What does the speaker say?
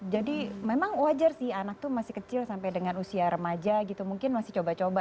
jadi memang wajar sih anak tuh masih kecil sampai dengan usia remaja gitu mungkin masih coba coba